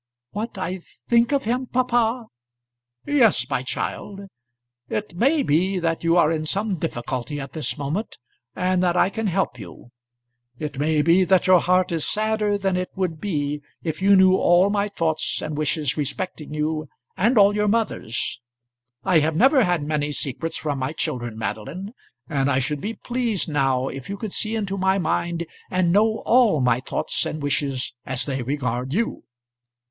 "What I think of him, papa?" "Yes, my child. It may be that you are in some difficulty at this moment, and that I can help you. It may be that your heart is sadder than it would be if you knew all my thoughts and wishes respecting you, and all your mother's. I have never had many secrets from my children, Madeline, and I should be pleased now if you could see into my mind and know all my thoughts and wishes as they regard you."